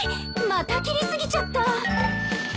また切り過ぎちゃった。